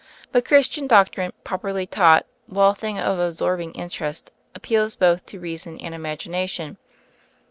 But Christian Doctrine, properly taught, while a thing of absorbing interest, appeals both to reason and imagination.